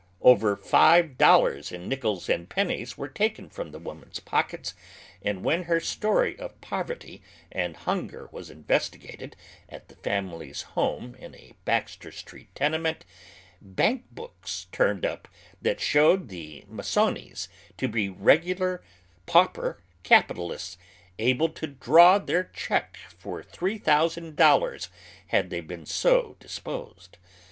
Over five dollars in oy Google 248 now TUB OTHEE HALF LIVES. nickles and pennies were taken from the woman's pockets, and when lier story of poverty and hunger was investi gated at the family's home in a Baxter Street tenement, baiik boolis turned up tliat showed the Masonis to be reg ular pauper capitalists, able to draw their check for three thousand dollars, had they been so disposed.